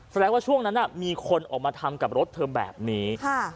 แสดงว่าช่วงนั้นมีคนออกมาทำกับรถเธอแบบนี้